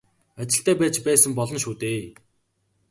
Ажилтай байж байсан болно шүү дээ.